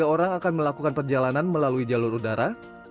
tiga orang akan melakukan perjalanan melalui jalur udara